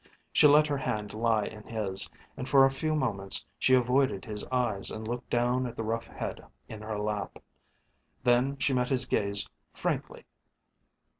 She let her hand lie in his, and for a few moments she avoided his eyes and looked down at the rough head in her lap. Then she met his gaze frankly.